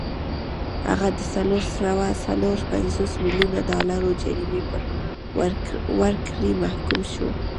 هغه د څلور سوه څلور پنځوس میلیونه ډالرو جریمې پر ورکړې محکوم شو.